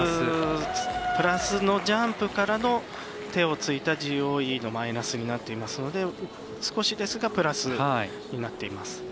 プラスのジャンプからの手をついたＧＯＥのマイナスになっていますので少しですがプラスになっています。